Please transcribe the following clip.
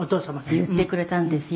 「言ってくれたんですよ